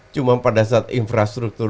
cuma pada saat infrastruktur